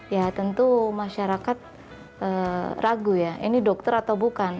ya tentu masyarakat ragu ya ini dokter atau bukan